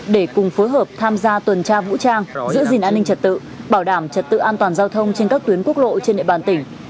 để cùng phối hợp tham gia tuần tra vũ trang giữ gìn an ninh trật tự bảo đảm trật tự an toàn giao thông trên các tuyến quốc lộ trên địa bàn tỉnh